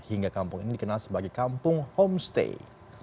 hingga kampung ini dikenal sebagai kampung homestay